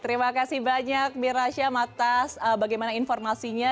terima kasih banyak mirasya matas bagaimana informasinya